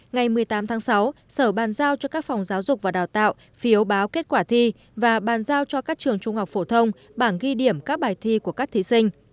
ngày một mươi tám tháng sáu sở bàn giao cho các phòng giáo dục và đào tạo phiếu báo kết quả thi và bàn giao cho các trường trung học phổ thông bảng ghi điểm các bài thi của các thí sinh